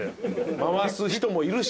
回す人もいるし